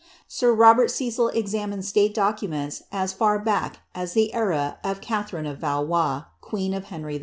Sir Robert Cecil examined state documents as &r back as the era of Catherine of Valois, queen of Henry V.